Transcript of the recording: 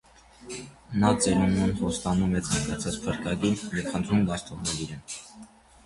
Նա ծերունուն խոստանում է ցանկացած փրկագին և խնդրում բաց թողնել իրեն։